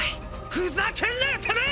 ふざけんなよてめぇ！